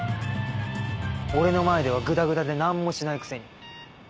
俺の前ではグダグダで何もしないくせに。